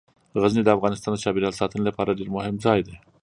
غزني د افغانستان د چاپیریال ساتنې لپاره ډیر مهم ځای دی.